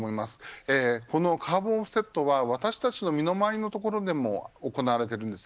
このカーボンオフセットは私たちの身の回りのところでも行われています。